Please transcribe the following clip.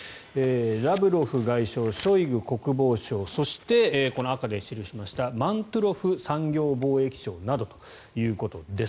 ラブロフ外相、ショイグ国防相そしてこの赤で記しましたマントゥロフ産業貿易相などということです。